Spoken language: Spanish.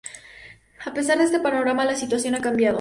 A pesar de este panorama, la situación ha cambiado.